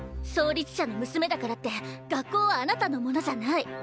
創立者の娘だからって学校はあなたのものじゃない。